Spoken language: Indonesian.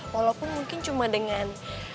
walaupun mungkin cuma dengan